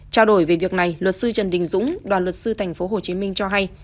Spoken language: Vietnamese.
trao đổi về việc này luật sư trần đình dũng đoàn luật sư tp hcm cho hay